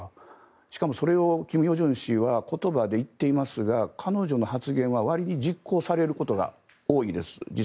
しかも、それを金与正氏は言葉で言っていますが彼女の発言はわりに実行されることが多いです。